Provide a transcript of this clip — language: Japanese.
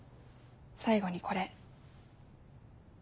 最後にこれ。